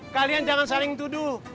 kalian jangan saling tuduh